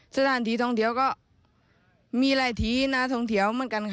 สถานที่ทองเถียวก็มีรายทีนาทองเถียวเหมือนกัน